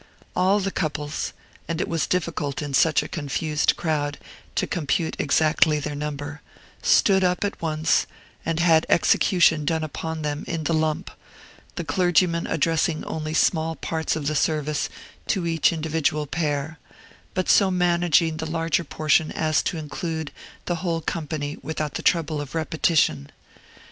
All the couples (and it was difficult, in such a confused crowd, to compute exactly their number) stood up at once, and had execution done upon them in the lump, the clergyman addressing only small parts of the service to each individual pair, but so managing the larger portion as to include the whole company without the trouble of repetition.